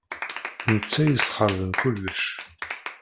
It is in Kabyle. D netta i yesxeṛben kullec.